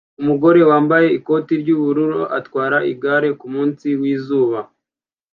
Umugore wambaye ikoti ry'ubururu atwara igare kumunsi wizuba